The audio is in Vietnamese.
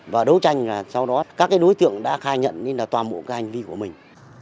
và đấu tranh sau đó các đối tượng đã khai nhận toàn bộ hành vi của mình